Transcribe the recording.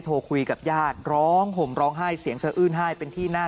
โทรคุยกับญาติร้องห่มร้องไห้เสียงสะอื้นไห้เป็นที่น่า